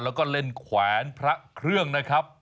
แล้วก็เล่นแขวนพระเครื่องนะครับ